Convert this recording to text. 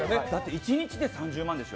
１日で３０万でしょ。